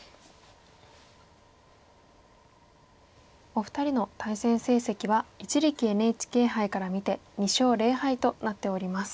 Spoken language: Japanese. お二人の対戦成績は一力ＮＨＫ杯から見て２勝０敗となっております。